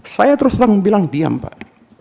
saya terus terang bilang diam pak